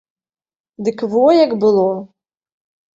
Дык во як было.